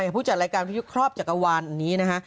พูดจากรายการครอบจักรวาลอันนี้นะฮะ